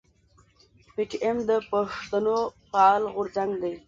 پي ټي ايم د پښتنو فعال غورځنګ دی.